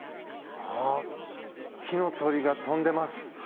火の鳥が飛んでます。